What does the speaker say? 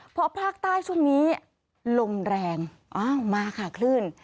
เพราะภาคใต้ช่วงนี้ลมแรงมาค่ะคลื่น